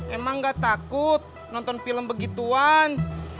emang gak takut nonton film begituan